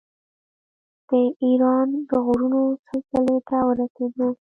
د ایران د غرونو سلسلې ته ورسېدو.